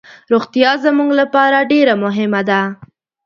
روغتیا زموږ لپاره ډیر مهمه ده.